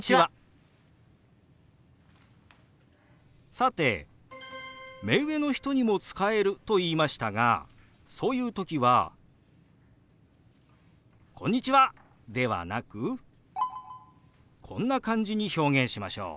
さて目上の人にも使えると言いましたがそういう時は「こんにちは！」ではなくこんな感じに表現しましょう。